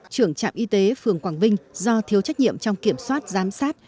trưởng trạm y tế phường quảng vinh do thiếu trách nhiệm trong kiểm soát giám sát